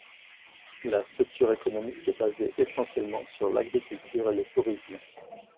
La structure économique est basée essentiellement sur l'agriculture et le tourisme.